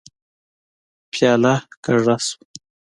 پياله کږه شوه.